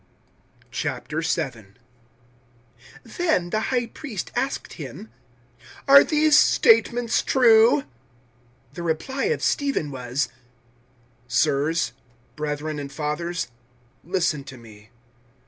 007:001 Then the High Priest asked him, "Are these statements true?" 007:002 The reply of Stephen was, "Sirs brethren and fathers listen to me.